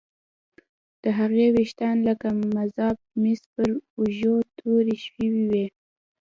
د هغې ويښتان لکه مذاب مس پر اوږو توې شوي وو